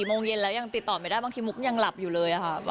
โมงเย็นแล้วยังติดต่อไม่ได้บางทีมุกยังหลับอยู่เลยค่ะ